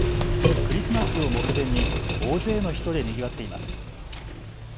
クリスマスを目前に大勢の人でにぎわっています。